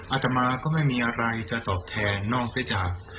อาตมาก็ไม่มีอะไรจะตอบแทนนอกเสียจาก